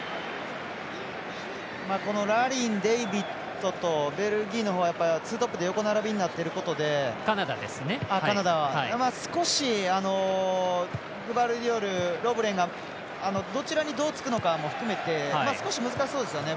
ラリン、デイビッドとカナダのほうはツートップで横並びになってることでグバルディオル、ロブレンがどちらに、どうつくのかも含めて少し難しそうですよね。